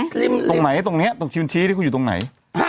ตรงไหนตรงนี้ตรงชินชี้ที่คุณอยู่ตรงไหน